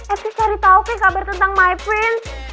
eh gue cari tau kek kabar tentang my prince